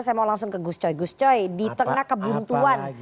saya mau langsung ke gus coy gus coy di tengah kebuntuan